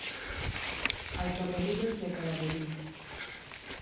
Autor de libros de cabalerías.